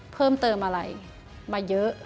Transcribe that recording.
เพิ่มเติมอะไรมาเยอะ